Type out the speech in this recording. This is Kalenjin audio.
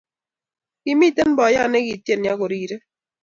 Kimiten boyot nekitieni ako rire